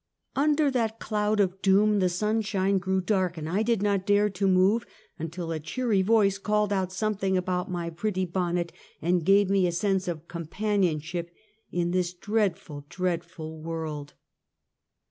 Under that cloud of doom the sunshine grew dark, and I did not dare to move until a cheery voice called out something about my pretty bonnet, and gave me a sense of companionship in this dreadful, dreadful world.